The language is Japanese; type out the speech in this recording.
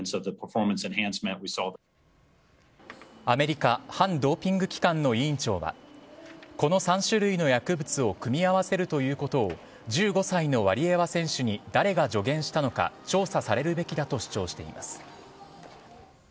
アメリカ反ドーピング機関の委員長はこの３種類の薬物を組み合わせるということを１５歳のワリエワ選手に誰が助言したのか調査されるべきだと主張しています。